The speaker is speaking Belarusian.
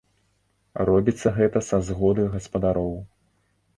Робіцца гэта са згоды гаспадароў.